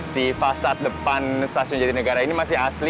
si fasad depan stasiun jatinegara ini masih asli